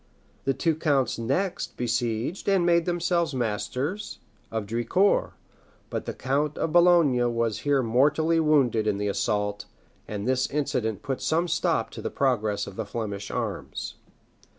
The two counts next besieged and made themselves masters of Drincourt; but the count of Boulogne was here mortally wounded in the assault; and this incident put some stop to the progress of the Flemish arms.